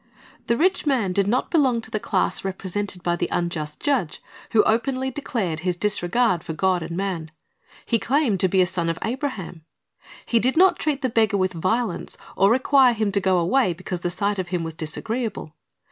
The rich man did not belong to the class represented by the unjust judge, who openly declared his disregard for God and man. He claimed to be a son of Abraham. He did not treat the beggar with violence, or require him to go away because the sight of him was disagreeable.